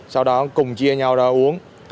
sau đó cùng chia nhau ra uống